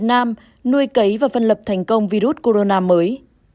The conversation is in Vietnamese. nam nuôi cấy và phân lập thành công virus corona mới